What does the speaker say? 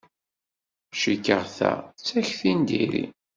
Cikkeɣ ta d takti n diri.